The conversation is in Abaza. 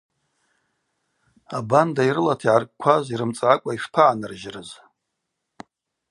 Абанда йрылата йгӏаркӏкваз йрымцӏгӏакӏва йшпагӏанырыжьрыз.